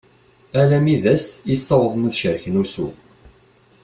Alammi d ass i ssawḍen ad cerken ussu.